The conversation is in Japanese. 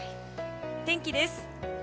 天気です。